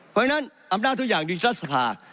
เพราะฉะนั้นอำนาจทุกอย่างอยู่ที่รัฐสภา